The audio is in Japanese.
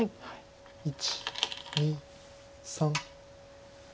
１２３。